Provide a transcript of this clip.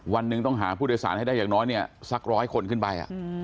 วันหนึ่งต้องหาผู้โดยสารให้ได้อย่างน้อยเนี่ยสักร้อยคนขึ้นไป